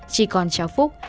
chỉ còn cháu phúc